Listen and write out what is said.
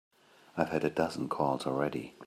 I've had a dozen calls already.